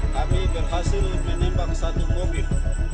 kami berhasil menembak satu mobil